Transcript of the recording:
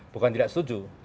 bukan tidak setuju